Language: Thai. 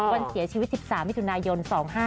วันเสียชีวิต๑๓มิถุนายน๒๕๕๙